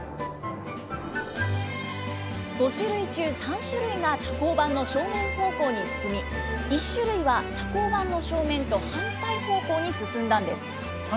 ５種類中３種類が多孔板の正面方向に進み、１種類は多孔板の正面と反対方向に進んだんです。